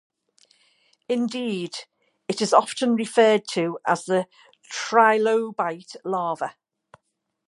Indeed, it is often referred to as the 'trilobite larva'.